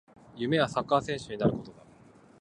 夢はサッカー選手になることだ